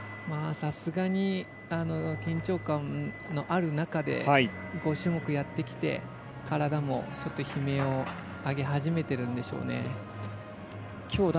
さすがに、緊張感のある中で５種目やってきて体もちょっと悲鳴を上げ始めてるんでしょうね。